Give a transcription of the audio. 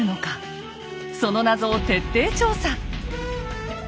その謎を徹底調査！